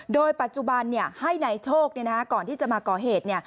โดยปัจจุบันให้นายโชคก่อนที่จะมาก่อเหตุ